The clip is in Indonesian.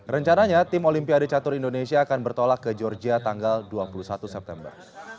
rencananya tim olimpiade catur indonesia akan bertolak ke georgia tanggal dua puluh satu september